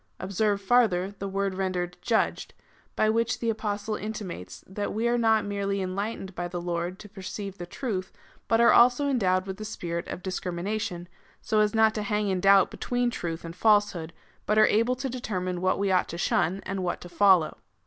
Observe, farther, the word rendered judged : by which the Apostle intimates, that we are not merely enlightened by the Lord to perceive the truth, but are also endowed with a spirit of discrimination, so as not to hang in doubt between trutli and falsehood, but are able to determine what we ought to shun and what to follow.